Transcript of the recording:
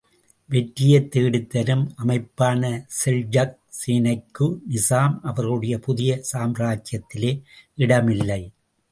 வெற்றியைத் தேடித்தரும் அமைப்பான செல்ஜுக் சேனைக்கு நிசாம் அவர்களுடைய புதிய சாம்ராஜ்யத்திலே இடமில்லை.